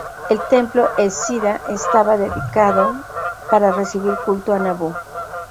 El templo E.zida estaba dedicado para recibir culto a Nabu.